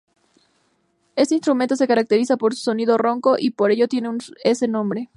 Este instrumento se caracteriza por su sonido ronco, y por ello tiene ese nombre.